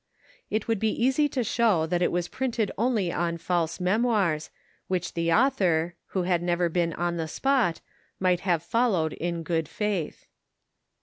It would be easy to phow that it was printed only on false memoirs, which the author, who had never been on the spot, might have followed in good faith.